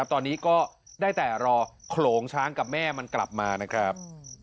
ตอนนี้ก็ได้แต่รอโขลงช้างกับแม่มันกลับมานะครับ